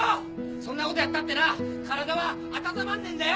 そんなことやったってな体は温まんねえんだよ！